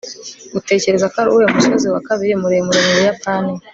utekereza ko ari uwuhe musozi wa kabiri muremure mu buyapani